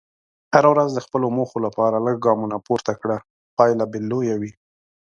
هره ورځ د خپلو موخو لپاره لږ ګامونه پورته کړه، پایله به لویه وي.